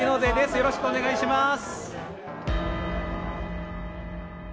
よろしくお願いします。